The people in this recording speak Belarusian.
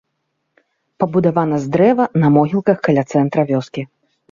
Пабудавана з дрэва на могілках, каля цэнтра вёскі.